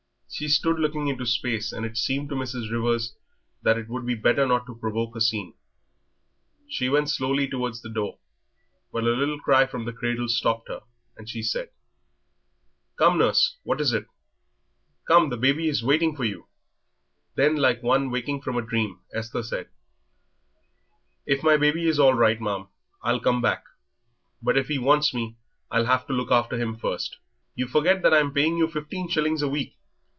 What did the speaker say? She stood looking into space, and it seemed to Mrs. Rivers that it would be better not to provoke a scene. She went towards the door slowly, but a little cry from the cradle stopped her, and she said "Come, nurse, what is it? Come, the baby is waiting for you." Then, like one waking from a dream, Esther said: "If my baby is all right, ma'am, I'll come back, but if he wants me, I'll have to look after him first." "You forget that I'm paying you fifteen shillings a week.